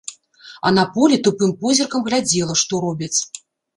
А на полі тупым позіркам глядзела, што робяць.